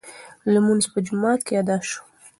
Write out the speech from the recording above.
لمونځ په جومات کې ادا شو.